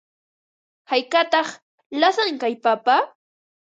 ¿Haykataq lasan kay papa?